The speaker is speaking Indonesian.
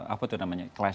apa tuh namanya